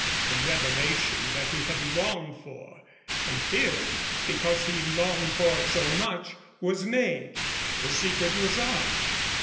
The revelation that he had longed for, and feared because he longed for it so much, was made. The secret was out.